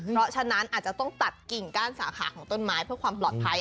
เพราะฉะนั้นอาจจะต้องตัดกิ่งก้านสาขาของต้นไม้เพื่อความปลอดภัย